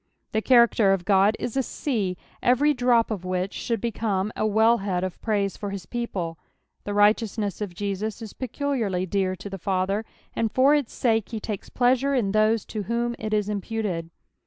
Tho character of God is a sea, ever^ drop of which should become a wellhead of praise for his people. The righteoua ness of Jesus is peculiarly dear to the Father, and for its sake he lakes pleasure in those to whom it is imputed.